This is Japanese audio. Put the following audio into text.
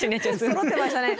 そろってましたね。